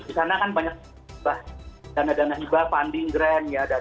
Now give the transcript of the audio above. di sana kan banyak dana dana hibah funding grand ya